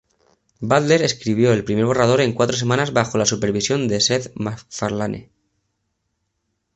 Butler escribió el primer borrador en cuatro semanas bajo la supervisión de Seth MacFarlane.